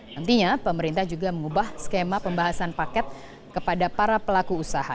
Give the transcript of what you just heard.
nantinya pemerintah juga mengubah skema pembahasan paket kepada para pelaku usaha